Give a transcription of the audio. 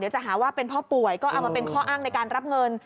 จะหาว่าเป็นพ่อป่วยก็เอามาเป็นข้ออ้างในการรับเงิน